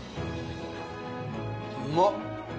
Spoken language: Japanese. うまっ！